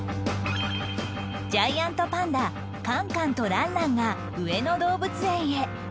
ジャイアントパンダカンカンとランランが上野動物園へ